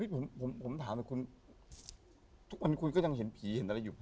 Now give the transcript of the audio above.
ผมถามแต่คุณทุกวันคุณก็ยังเห็นผีเห็นอะไรอยู่